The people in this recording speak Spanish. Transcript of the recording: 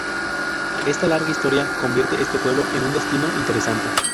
Esta larga historia convierte este pueblo en un destino interesante.